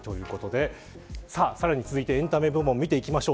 さらに続いてエンタメ部門を見ていきましょう。